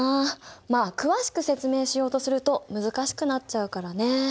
まあ詳しく説明しようとすると難しくなっちゃうからね。